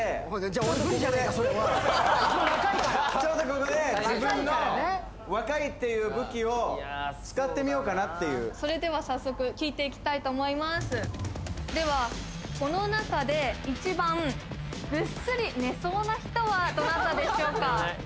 自分若いからちょっとここで自分のを使ってみようかなっていうそれでは早速聞いていきたいと思いますではこの中で１番ぐっすり寝そうな人はどなたでしょうか？